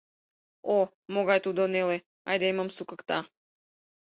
О, могай тудо неле — айдемым сукыкта.